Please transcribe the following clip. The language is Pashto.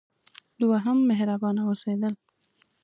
دوهم: مهربانه اوسیدل.